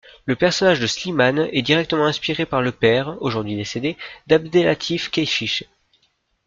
Le personnage de Slimane est directement inspiré par le père, aujourd'hui décédé, d'Abdellatif Kechiche.